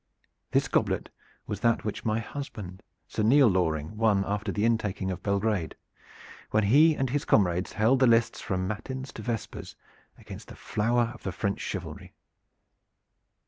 This goblet was that which my husband, Sir Nele Loring, won after the intaking of Belgrade when he and his comrades held the lists from matins to vespers against the flower of the French chivalry.